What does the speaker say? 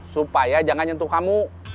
supaya jangan nyentuh kamu